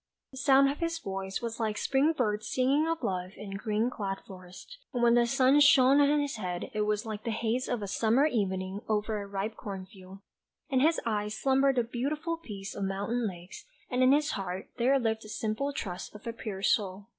The sound of his voice was like spring birds singing of love in green clad forests, and when the sun shone on his head it was like the haze of a summer's evening over a ripe cornfield. In his eyes slumbered the beautiful peace of mountain lakes, and in his heart there lived the simple trust of a pure soul